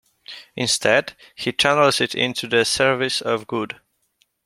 Instead, he channels it into the service of good.